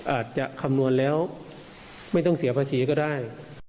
คำนวณแล้วไม่ต้องเสียภาษีก็ได้